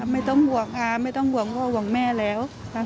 ไม่ต้องห่วงอาไม่ต้องห่วงพ่อห่วงแม่แล้ว